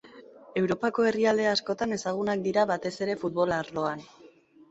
Europako herrialde askotan ezagunak dira, batez ere futbol arloan.